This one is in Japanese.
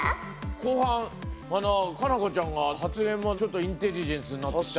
後半佳菜子ちゃんが発言もちょっとインテリジェンスになってきちゃったと思って。